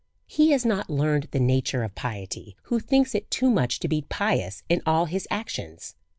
He has not learned the nature of piety who thinks it too much to be pious in all his actions.